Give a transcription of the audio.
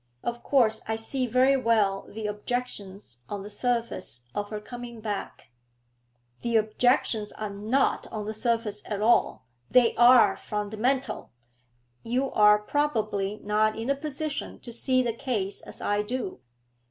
Of course I see very well the objections on the surface to her coming back ' 'The objections are not on the surface at all, they are fundamental. You are probably not in a position to see the ease as I do.